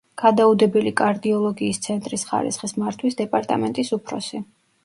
გადაუდებელი კარდიოლოგიის ცენტრის ხარისხის მართვის დეპარტამენტის უფროსი.